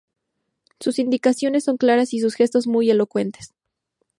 Sus indicaciones son claras y sus gestos muy elocuentes.